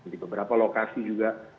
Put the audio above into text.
di beberapa lokasi juga